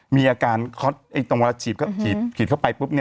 มีอาการคล็อตตรงเวลาฉีดเข้าไปปุ๊บเนี่ย